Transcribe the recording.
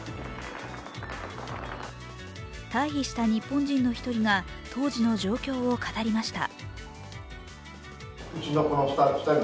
退避した日本人の１人が当時の状況を語りました。